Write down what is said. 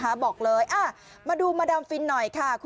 ถามจริง